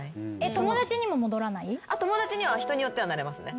友達には人によってはなれますね。